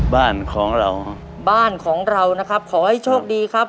บ้านของเราบ้านของเรานะครับขอให้โชคดีครับ